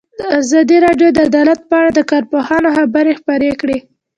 ازادي راډیو د عدالت په اړه د کارپوهانو خبرې خپرې کړي.